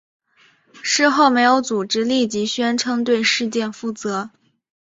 事后没有组织立即宣称对事件负责。